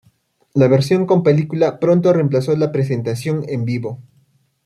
La versión con película pronto reemplazó la presentación en vivo.